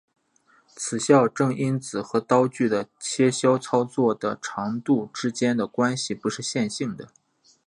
此校正因子和刀具的切削操作的长度之间的关系不是线性的。